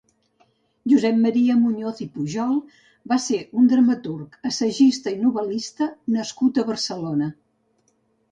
Josep Maria Muñoz i Pujol va ser un dramaturg, assagista i novel·lista nascut a Barcelona.